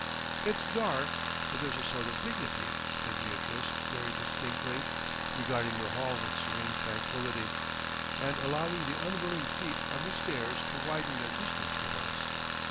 "It's dark, but there's a sort of dignity," said Beatrice very distinctly, regarding the hall with serene tranquillity, and allowing the unwilling feet on the stairs to widen their distance from us.